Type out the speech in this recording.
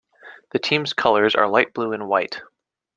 The team's colours are light blue and white.